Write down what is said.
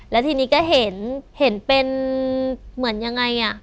แล้วทีนี้ก็เห็นเห็นเป็นเหมือนยังไงอ่ะ